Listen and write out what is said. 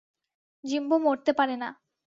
Jimbo মরতে পারেনা!